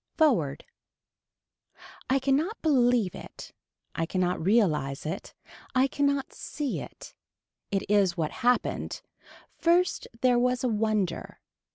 Foreword. I cannot believe it. I cannot realize it. I cannot see it. It is what happened. First there was a wonder.